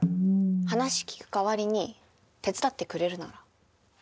話聞く代わりに手伝ってくれるなら。